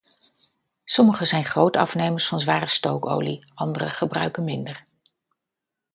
Sommige zijn grote afnemers van zware stookolie, andere gebruiken minder.